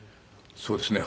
そうですね。